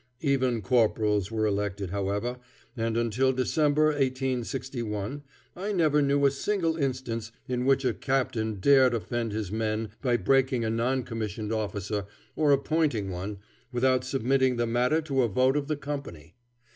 Even corporals were elected, however, and until December, 1861, I never knew a single instance in which a captain dared offend his men by breaking a non commissioned officer, or appointing one, without submitting the matter to a vote of the company.